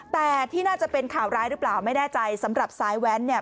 แต่ที่น่าจะเป็นข่าวร้ายหรือเปล่าไม่แน่ใจสำหรับซ้ายแว้นเนี่ย